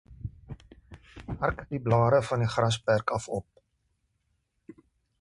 Hark die blare van die grasperk af op.